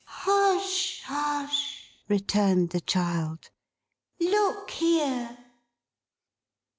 'Hush, hush!' returned the child. 'Look here!